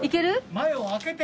前を開けて。